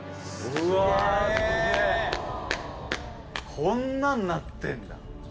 こんなんなってんだ。